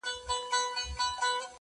سپرېدل به پر ښايستو مستو آسونو،